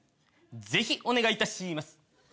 ぜひお願いいたします。